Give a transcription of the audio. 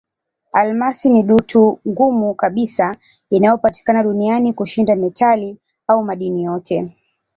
Almasi ni dutu ngumu kabisa inayopatikana duniani kushinda metali au madini yote.